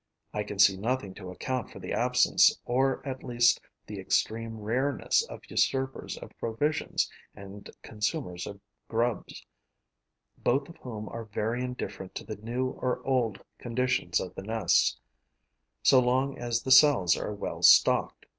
I can see nothing to account for the absence or at least the extreme rareness of usurpers of provisions and consumers of grubs, both of whom are very indifferent to the new or old conditions of the nest, so long as the cells are well stocked.